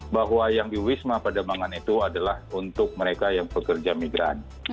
bahwa yang diwisma pada emangan itu adalah untuk mereka yang pekerja migran